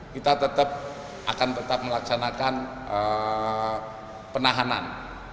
kita tetap akan tetap melaksanakan penahanan